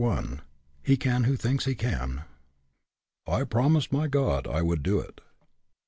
HE CAN WHO THINKS HE CAN PROMISED my God I would do it."